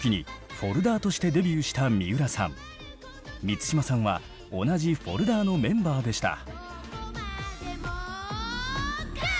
満島さんは同じ「Ｆｏｌｄｅｒ」のメンバーでした。